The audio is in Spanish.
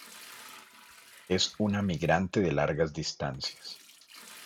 Es una migrante de largas distancias.